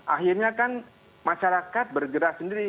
akhirnya kan masyarakat bergerak sendiri